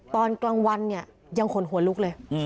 ตอนกลางวันเนี่ยยังขนหัวลุกเลย